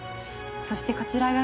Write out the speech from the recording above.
そしてこちらが。